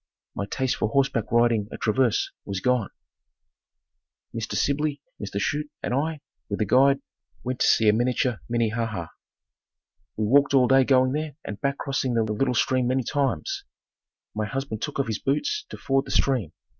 My taste for horseback riding at Traverse was gone. Mr. Sibley, Mr. Chute and I, with a guide, went to see a miniature Minnehaha. We walked all day going there and back crossing the little stream many times. My husband took off his boots to ford the stream.